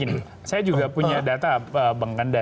gini gini saya juga punya data bang kanda